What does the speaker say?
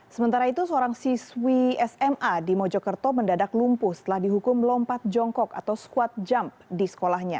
sementara itu seorang siswi sma di mojokerto mendadak lumpuh setelah dihukum lompat jongkok atau squad jump di sekolahnya